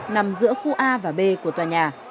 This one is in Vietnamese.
nằm giữa khu a và b của tòa nhà